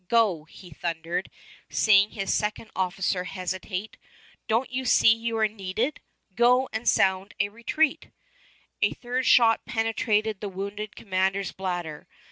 Go!" he thundered, seeing his second officer hesitate. "Don't you see you are needed? Go and sound a retreat." A third shot penetrated the wounded commander's bladder.